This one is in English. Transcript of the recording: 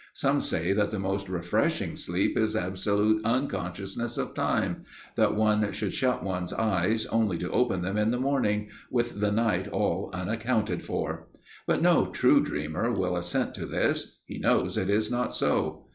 Some say that the most refreshing sleep is absolute unconsciousness of time that one should shut one's eyes, only to open them in the morning, with the night all unaccounted for. But no true dreamer will assent to this; he knows it is not so.